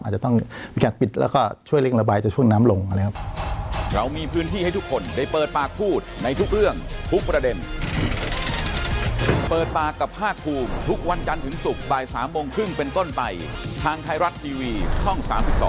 อาจจะต้องมีการปิดแล้วก็ช่วยเล็งละบายจนช่วงน้ำลง